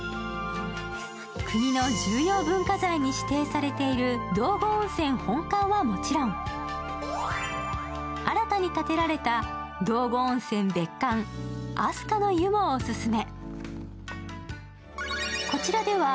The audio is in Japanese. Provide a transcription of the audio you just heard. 国の重要文化財に指定されている道後温泉本館はもちろん新たに建てられた道後温泉別館、飛鳥乃湯泉もオススメ。